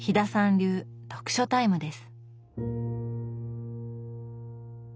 流読書タイムです。